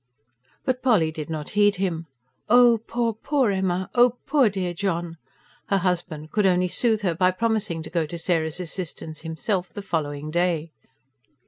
But Polly did not heed him. "Oh, poor, poor Emma! Oh, poor dear John!" Her husband could only soothe her by promising to go to Sarah's assistance himself, the following day.